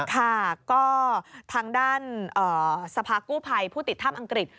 ค่ะก็ทางด้านสภากู้ภัยผู้ติดถ้ำอังกฤษ